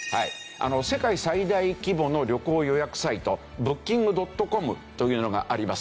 世界最大規模の旅行予約サイトＢｏｏｋｉｎｇ．ｃｏｍというのがあります。